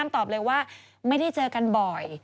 ตอบเลยว่าไม่ได้เจอกันบ่อย